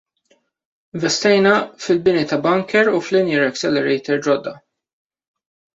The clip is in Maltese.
Investejna fil-bini ta' bunker u f'linear accelerator ġodda.